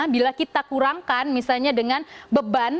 bila kita kurangkan misalnya dengan beban